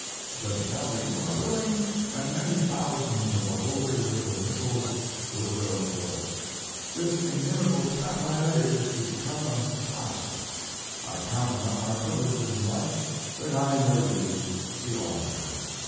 Just tell me you are willing & many thousands of the holy little missals will go forth. This inimitable satire is to become a classic. I count among my privileges in life that I know you, the author.